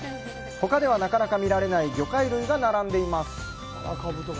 ほかではなかなか見られない魚介類が並んでいます。